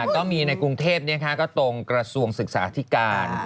ก็มีในกรุงเทพเนี่ยค่ะก็ตรงกระทรวงศึกษาอธิการ